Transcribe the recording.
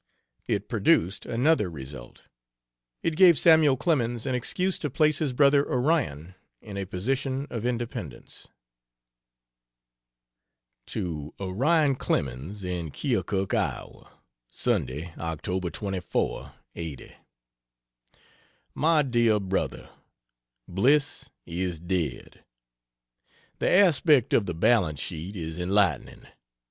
It produced another result; it gave Samuel Clemens an excuse to place his brother Onion in a position of independence. To Onion Clemens, in Keokuk, Iowa: Sunday, Oct 24 '80. MY DEAR BRO., Bliss is dead. The aspect of the balance sheet is enlightening.